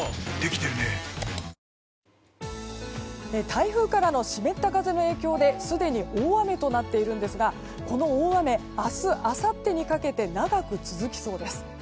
台風からの湿った風の影響ですでに大雨となっているんですがこの大雨、明日あさってにかけて長く続きそうです。